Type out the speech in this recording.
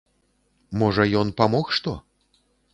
Можа, ён памог што?